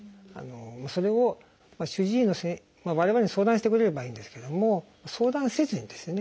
それを主治医の我々に相談してくれればいいんですけども相談せずにですね